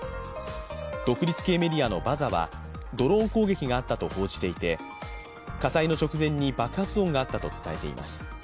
独立系メディアのバザはドローン攻撃があったと報じていて、火災の直前に爆発音があったと伝えています。